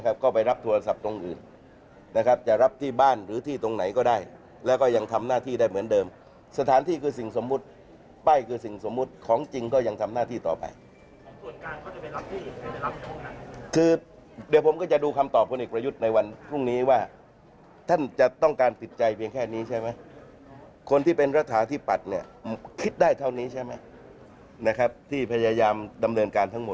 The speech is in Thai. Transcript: โดยนปชจัดยุติการแสดงข่าวในวันนี้โดยนปชจัดยุติการแสดงข่าวในวันนี้โดยนปชจัดยุติการแสดงข่าวในวันนี้โดยนปชจัดยุติการแสดงข่าวในวันนี้โดยนปชจัดยุติการแสดงข่าวในวันนี้โดยนปชจัดยุติการแสดงข่าวในวันนี้โดยนปชจัดยุติการแสดงข่าวในว